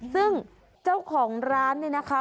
ซึ่งเจ้าของร้านเนี่ยนะคะ